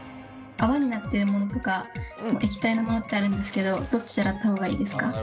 泡になってるものとか液体のものってあるんですけどどっちで洗った方がいいですか？